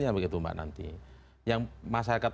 yang begitu mbak nanti yang masyarakat